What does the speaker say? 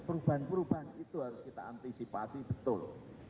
perubahan perubahan itu harus kita antisipasi betul